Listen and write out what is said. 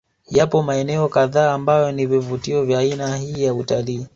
Yapo maeneo kadhaa ambayo ni vivutio vya aina hii ya Utalii